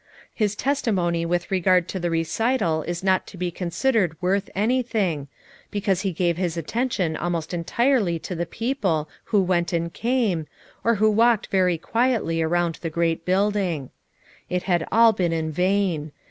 His testimony with regard to the recital is not to be considered worth anything, because he gave his attention almost entirely to the peo ple who went and came, or who walked very quietly around the great building. It had all been in vain.